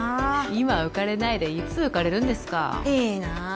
今浮かれないでいつ浮かれるんですかいいなあ